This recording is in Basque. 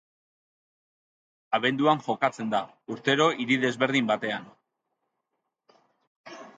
Abenduan jokatzen da, urtero hiri desberdin batean.